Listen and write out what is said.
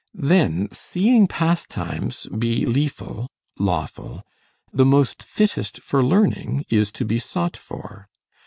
Then seeing pastimes be leful [lawful], the most fittest for learning is to be sought for.